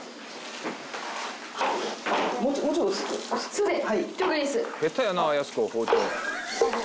そうです。